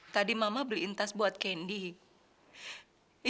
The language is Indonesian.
tadi mama beliin tas buat candy